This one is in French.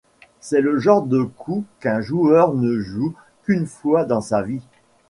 C'est le genre de coup qu'un joueur ne joue qu'une fois dans sa vie.